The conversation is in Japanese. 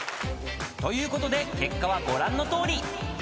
［ということで結果はご覧のとおり］